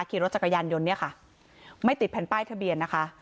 ขี่รถจักรยานยนต์เนี่ยค่ะไม่ติดแผ่นป้ายทะเบียนนะคะ